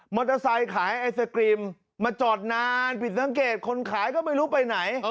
เตอร์ไซค์ขายไอศกรีมมาจอดนานผิดสังเกตคนขายก็ไม่รู้ไปไหน